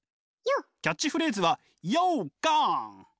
キャッチフレーズは陽頑！